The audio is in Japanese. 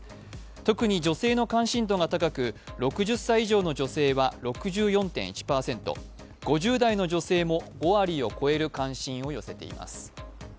特に女性の関心度が高く、６０歳以上の女性は６４．１％５０代の女性も５割を超える関心を寄せています。